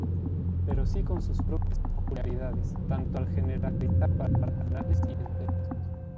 Pero sí con sus propias peculiaridades, tanto al generalizar para racionales y enteros.